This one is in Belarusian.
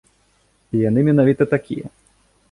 І яны менавіта такія.